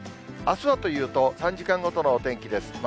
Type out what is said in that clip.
あすはというと、３時間ごとのお天気です。